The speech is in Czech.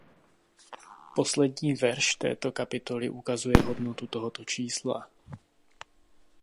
Poslední verš této kapitoly ukazuje hodnotu tohoto čísla.